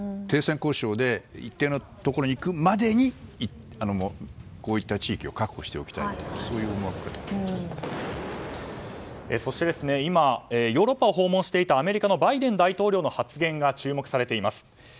停戦交渉で一定のところにいくまでにこうした地域を確保しておきたいというそして、今ヨーロッパを訪問していたアメリカのバイデン大統領の発言が注目されています。